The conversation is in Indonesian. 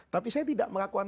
tapi saya tidak melakukan